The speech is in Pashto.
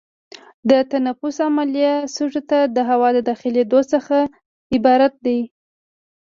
د تنفس عملیه سږو ته د هوا د داخلېدو څخه عبارت ده.